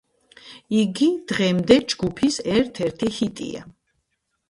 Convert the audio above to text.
იგი დღემდე ჯგუფის ერთ-ერთი ჰიტია.